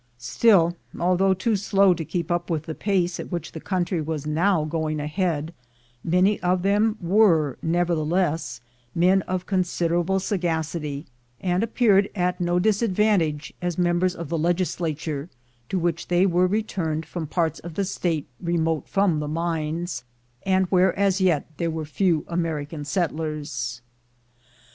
Still, although too slow to keep up with the pace at which the country was now going ahead, many of them were, nevertheless, men of considerable sagacity, and appeared to no disad 98 THE GOLD HUNTERS vantage as members of the legislature, to which they were returned from parts of the State remote from the mines, and where as yet there were few American settlers.